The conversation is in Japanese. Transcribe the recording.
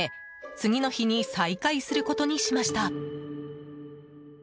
次の日に再開することにしました。